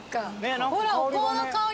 ほらお香の香りする。